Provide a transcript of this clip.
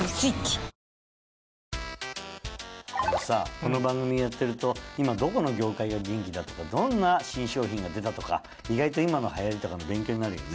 この番組やってると今どこの業界が元気だとかどんな新商品が出たとか意外と今の流行りとかの勉強になるよね。